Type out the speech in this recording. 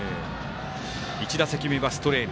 １打席目はストレート